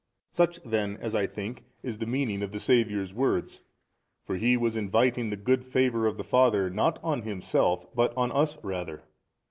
Such then, as I think, is the meaning of the Saviour's words; for He was inviting the good favour of the Father not on Himself but on us rather.